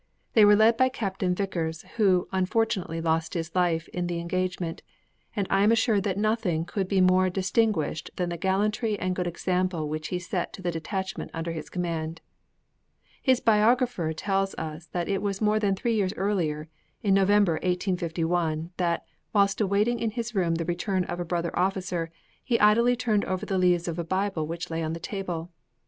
'They were led by Captain Vicars, who, unfortunately, lost his life in the engagement; and I am assured that nothing could be more distinguished than the gallantry and good example which he set to the detachment under his command.' His biographer tells us that it was more than three years earlier in November, 1851 that, whilst awaiting in his room the return of a brother officer, he idly turned over the leaves of a Bible which lay on the table.